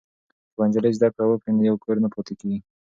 که یوه نجلۍ زده کړه وکړي نو یو کور نه پاتې کیږي.